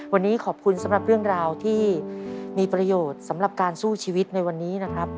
วันนี้ขอบคุณสำหรับเรื่องราวที่มีประโยชน์สำหรับการสู้ชีวิตในวันนี้นะครับ